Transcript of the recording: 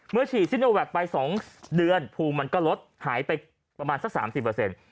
เมื่อฉีดซิโนแวคไป๒เดือนภูมิมันก็ลดหายไปประมาณสัก๓๐